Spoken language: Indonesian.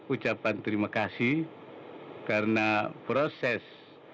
ucapan terima kasih karena proses